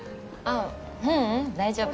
ああううん大丈夫